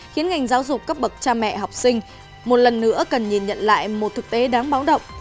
khiến ngành giáo dục cấp bậc cha mẹ học sinh một lần nữa cần nhìn nhận lại một thực tế đáng báo động